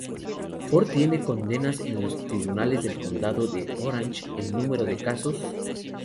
Ford tiene condenas en los Tribunales del Condado de Orange, el número de casos:.